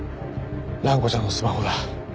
蘭子ちゃんのスマホだ。